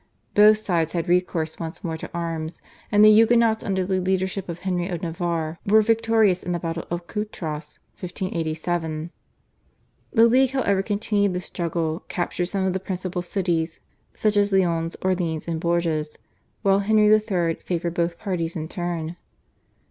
Both sides had recourse once more to arms, and the Huguenots under the leadership of Henry of Navarre were victorious in the battle of Coutras (1587). The League however continued the struggle, captured some of the principal cities such as Lyons, Orleans, and Bourges, while Henry III. favoured both parties in turn.